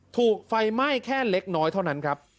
ถูกไฟไหม้แค่เล็กน้อยเท่านั้นครับ